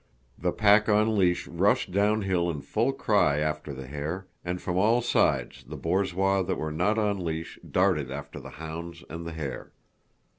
The pack on leash rushed downhill in full cry after the hare, and from all sides the borzois that were not on leash darted after the hounds and the hare.